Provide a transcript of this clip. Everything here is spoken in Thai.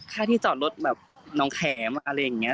ค่าที่จอดรถแบบน้องแข็มอะไรอย่างนี้